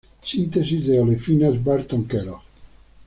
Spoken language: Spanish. Síntesis de olefinas Barton-Kellogg.